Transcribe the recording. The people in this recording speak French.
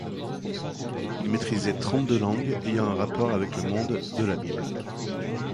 Il maitrisait trente-deux langues ayant un rapport avec le monde de la Bible.